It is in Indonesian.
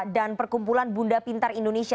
dan perkumpulan bunda pintar indonesia